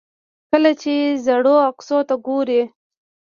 کله چې زاړو عکسونو ته ګورئ.